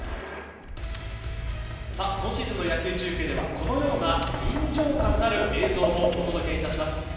今シーズンの野球中継ではこのような臨場感ある映像もお届けいたします。